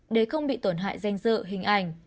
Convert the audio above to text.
để không bị tổn hại danh dự hình ảnh